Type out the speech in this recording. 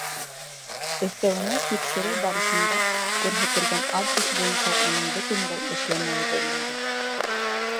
Өҫтәүенә тикшереү барышында күрһәтелгән адрес буйынса уның бөтөнләй эшләмәүе беленде.